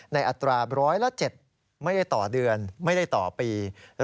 อัตราร้อยละ๗ไม่ได้ต่อเดือนไม่ได้ต่อปี